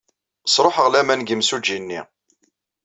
Sṛuḥeɣ laman deg yimsujji-nni.